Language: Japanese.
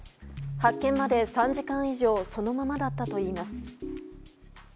発見まで３時間以上そのままだったといいます。